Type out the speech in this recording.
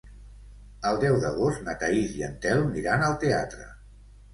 El deu d'agost na Thaís i en Telm iran al teatre.